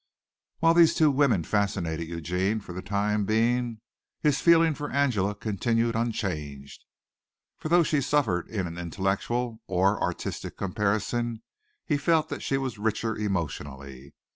While these two women fascinated Eugene for the time being, his feeling for Angela continued unchanged; for though she suffered in an intellectual or artistic comparison, he felt that she was richer emotionally.